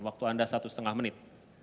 waktu anda satu setengah menit